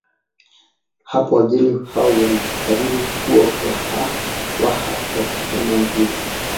Hapo wageni hao walikariri kuwa Waha kwa kuchukua neno hilo